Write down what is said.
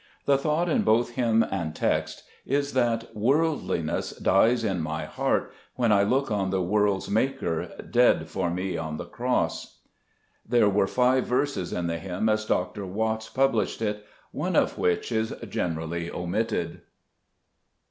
The thought in both hymn and text is that " worldliness dies in my heart when I look on the world's Maker dead for me on the cross." There were five verses in the hymn as Dr. Watts pub lished it, one of which is generally omitted.